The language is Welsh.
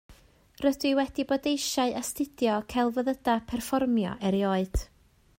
Rydw i wedi bod eisiau astudio celfyddydau perfformio erioed